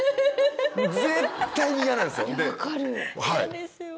はい。